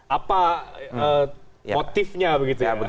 apa motifnya begitu ya